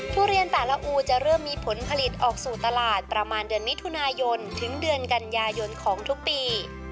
ทุเรียนแต่ละอูจะเริ่มมีผลผลิตออกสู่ตลาดประมาณเดือนมิถุนายนถึงเดือนกันยายนของทุกปี